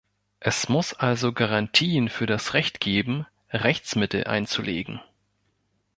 Es muss also Garantien für das Recht geben, Rechtsmittel einzulegen.